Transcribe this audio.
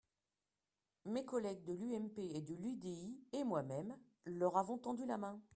Mes collègues de l’UMP et de l’UDI et moi-même leur avons tendu la main.